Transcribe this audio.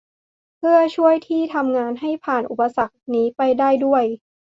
เพื่อช่วยที่ทำงานให้ผ่านอุปสรรคนี้ไปได้ด้วย